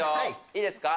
いいですか？